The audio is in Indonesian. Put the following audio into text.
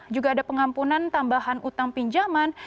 juga ada pengampunan tambahan utang pinjaman